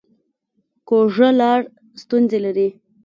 کوږه لار ستونزې لري